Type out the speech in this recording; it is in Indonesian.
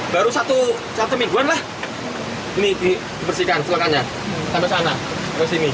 baru satu mingguan lah ini dibersihkan selekannya sampai sana ke sini